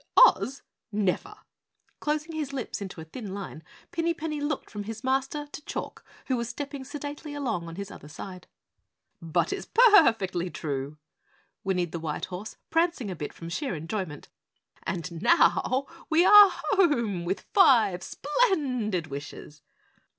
"OZ? Never!" Closing his lips into a thin line, Pinny Penny looked from his Master to Chalk, who was stepping sedately along on his other side. "But it's perfectly true," whinnied the white horse, prancing a bit from sheer enjoyment, "and now we are home with five splendid wishes."